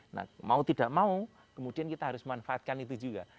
nah mau tidak mau kemudian kita harus manfaatkan itu juga